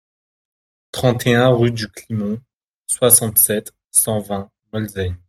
trente et un rue du Climont, soixante-sept, cent vingt, Molsheim